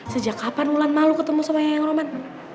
sejak kapan ulan malu ketemu sama yang roman